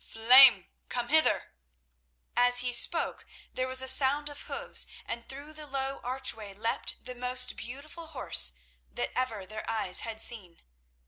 "Flame, come hither!" As he spoke, there was a sound of hoofs, and through the low archway leapt the most beautiful horse that ever their eyes had seen.